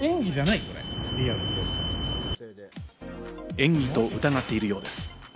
演技かと疑っているようです。